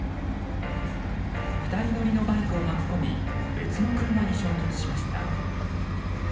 ２人乗りのバイクを巻き込み別の車に衝突しました。